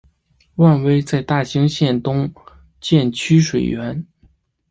万炜在大兴县东建曲水园。